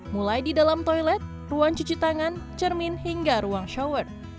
mulai di dalam toilet ruang cuci tangan cermin hingga ruang shower